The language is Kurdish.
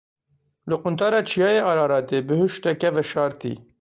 Li quntara Çiyayê Araratê bihuşteke veşartî.